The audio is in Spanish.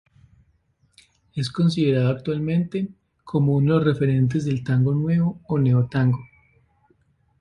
Es considerado actualmente como uno de los referentes del Tango Nuevo o Neo-tango.